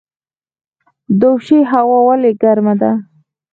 دوشي هوا ولې ګرمه ده؟